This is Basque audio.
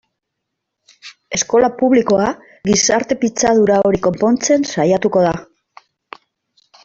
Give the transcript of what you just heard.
Eskola publikoa gizarte pitzadura hori konpontzen saiatuko da.